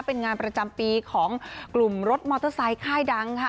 เป็นงานประจำปีของกลุ่มรถมอเตอร์ไซค์ค่ายดังค่ะ